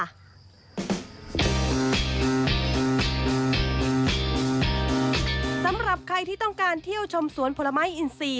สำหรับใครที่ต้องการเที่ยวชมสวนผลไม้อินทรีย์